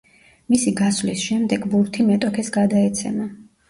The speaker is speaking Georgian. მისი გასვლის შემდეგ ბურთი მეტოქეს გადაეცემა.